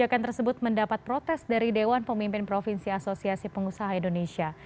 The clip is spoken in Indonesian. kebijakan tersebut mendapat protes dari dewan pemimpin provinsi asosiasi pengusaha indonesia